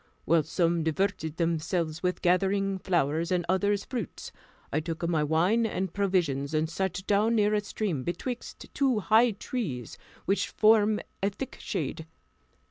While some diverted themselves with gathering flowers, and others fruits, I took my wine and provisions, and sat down near a stream betwixt two high trees, which formed a thick shade.